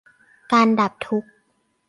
การดับทุกข์